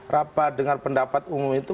rapat dengan pendapat umum itu